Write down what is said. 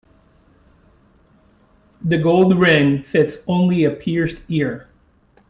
The gold ring fits only a pierced ear.